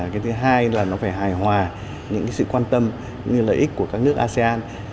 cái thứ hai là nó phải hài hòa những sự quan tâm những lợi ích của các nước asean